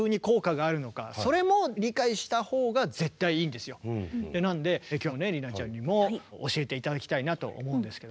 でも私の持論としてはなので今日はね理奈ちゃんにも教えて頂きたいなと思うんですけど。